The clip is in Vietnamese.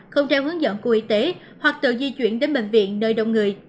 không theo hướng dẫn của y tế hoặc tự di chuyển đến bệnh viện nơi đông người